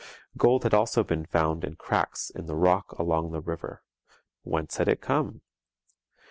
Gold had also been found in cracks in the rock along the river. Whence had it come?